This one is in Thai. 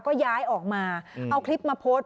ก็ย้ายออกมาเอาคลิปมาโพสต์